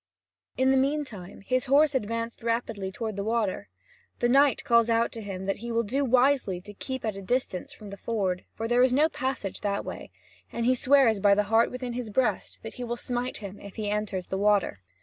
In the meantime, his horse advanced rapidly toward the water. The knight calls out to him that he will do wisely to keep at a distance from the ford, for there is no passage that way; and he swears by the heart within his breast that he will smite him if he enters the water.